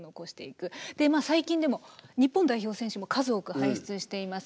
でまあ最近でも日本代表選手も数多く輩出しています。